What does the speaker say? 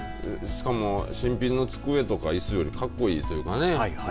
しかも新品の机とかいすより格好いいというかね。